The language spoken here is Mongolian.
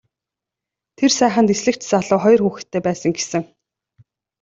Тэр сайхан дэслэгч залуу хоёр хүүхэдтэй байсан гэсэн.